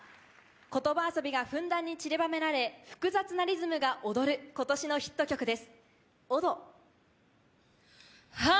言葉遊びがふんだんにちりばめられ複雑なリズムが踊る今年のヒット曲です。